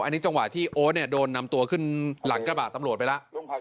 อันนี้จังหวะที่โอ๊ตโดนนำตัวขึ้นหลังกระบะตำรวจไปแล้ว